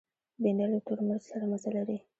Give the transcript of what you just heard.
بېنډۍ له تور مرچ سره مزه لري